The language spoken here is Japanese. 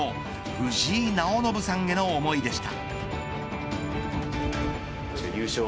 藤井直伸さんへの思いでした。